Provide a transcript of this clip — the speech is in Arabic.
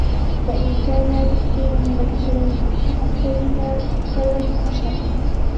فَإِنْ كَانَ تَقْصِيرُهُ لِكَسَلٍ فَقَدْ حُرِمَ ثَرْوَةُ النَّشَاطِ